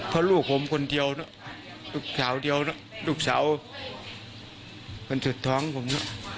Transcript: เพราะลูกผมคนเดียวนะลูกสาวเดียวนะลูกสาวคนสุดท้องผม